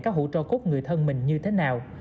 các hũ cho cốt người thân mình như thế nào